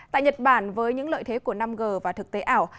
tại nhật bản với những lợi thế của năm g và thực tế ảo